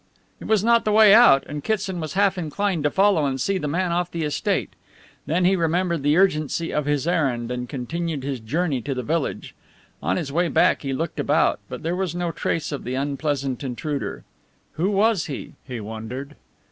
It was not the way out and Kitson was half inclined to follow and see the man off the estate. Then he remembered the urgency of his errand and continued his journey to the village. On his way back he looked about, but there was no trace of the unpleasant intruder. Who was he? he wondered.